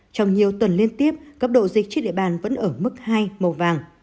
trong nhiều tuần liên tiếp cấp độ dịch trên địa bàn vẫn ở mức hai màu vàng